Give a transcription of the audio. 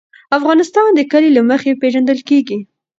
افغانستان د کلي له مخې پېژندل کېږي.